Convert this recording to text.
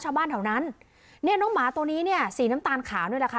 ชาวบ้านแถวนั้นเนี่ยน้องหมาตัวนี้เนี่ยสีน้ำตาลขาวนี่แหละค่ะ